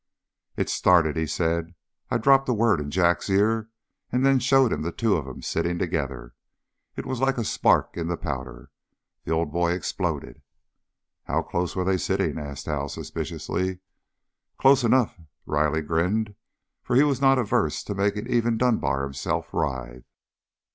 "It's started," he said. "I dropped a word in Jack's ear and then showed him the two of 'em sitting together. It was like a spark in the powder. The old boy exploded." "How close were they sitting?" asked Hal suspiciously. "Close enough." Riley grinned, for he was not averse to making even Dunbar himself writhe.